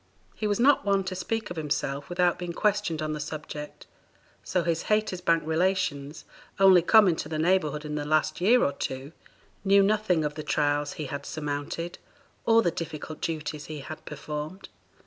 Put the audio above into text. He was not one to speak of himself without being questioned on the subject, so his Haytersbank relations, only come into the neighborhood in the last year or two, knew nothing of the trials he had surmounted, or the difficult duties he had performed.